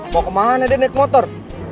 mau kemana dia naik motor